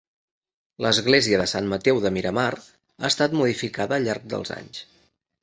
L'església de Sant Mateu de Miramar ha estat modificada al llarg dels anys.